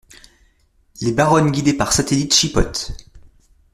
Les baronnes guidée par satellite chipotent.